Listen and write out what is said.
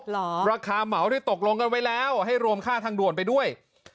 เหรอราคาเหมาที่ตกลงกันไว้แล้วให้รวมค่าทางด่วนไปด้วย